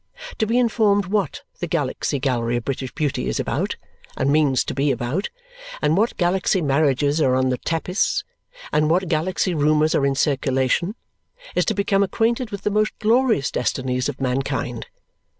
To be informed what the Galaxy Gallery of British Beauty is about, and means to be about, and what Galaxy marriages are on the tapis, and what Galaxy rumours are in circulation, is to become acquainted with the most glorious destinies of mankind.